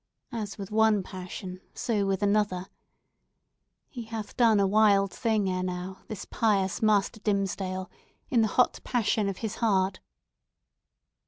As with one passion so with another. He hath done a wild thing ere now, this pious Master Dimmesdale, in the hot passion of his heart."